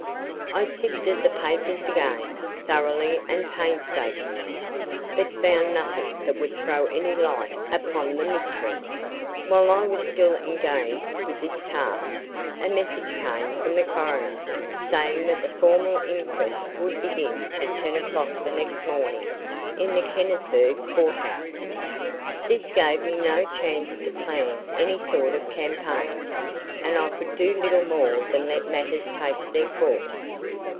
I sifted the papers again, thoroughly and painstakingly, but found nothing that would throw any light upon the mystery. While I was still engaged with this task, a message came from the coroner saying that the formal inquest would begin at ten o'clock the next morning in the Kennisburg court house. This gave me no chance to plan any sort of campaign, and I could do little more than let matters take their course.